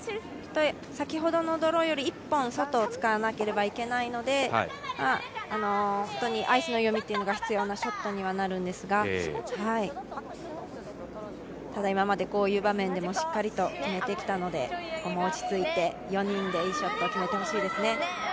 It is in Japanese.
先ほどのドローより１本外を使わなければいけないので本当にアイスの読みというのが必要なショットになるんですがただ、今までこういう場面でもしっかりと決めてきたので落ち着いて４人でいいショットを決めてほしいですね。